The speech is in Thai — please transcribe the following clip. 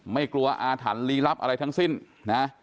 ไม่กลัวอาถรรพ์ลีลับอะไรทั้งสิ้นนะ